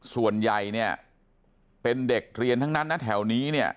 ส่วนใหญ่เนี่ยเป็นเด็กเรียนทั้งนั้นนะแถวนี้เนี่ย